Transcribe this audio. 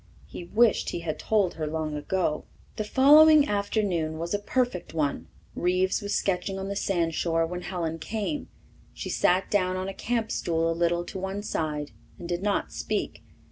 He wished he had told her long ago. The following afternoon was a perfect one. Reeves was sketching on the sandshore when Helen came. She sat down on a camp stool a little to one side and did not speak.